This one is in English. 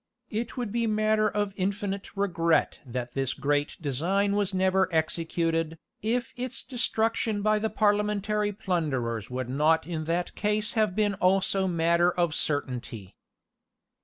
It would be matter of infinite regret that this great design was never executed, if its destruction by the Parliamentary plunderers would not in that case have been also matter of certainty.